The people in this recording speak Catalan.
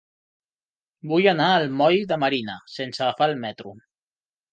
Vull anar al moll de Marina sense agafar el metro.